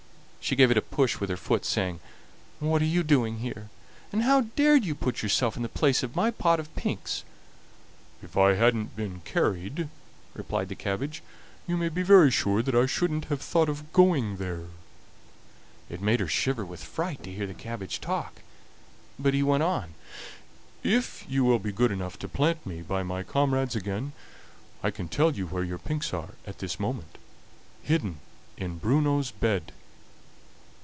She gave it a push with her foot, saying: "What are you doing here, and how dared you put yourself in the place of my pot of pinks?" "If I hadn't been carried," replied the cabbage, "you may be very sure that I shouldn't have thought of going there." It made her shiver with fright to hear the cabbage talk, but he went on: "If you will be good enough to plant me by my comrades again, I can tell you where your pinks are at this moment hidden in Bruno's bed!"